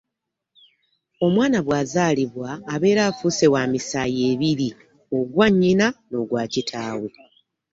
Omwana bw'azaalibwa abeera afuuse wa misaayi ebiri, ogwa nnyina n'ogwa kitaawe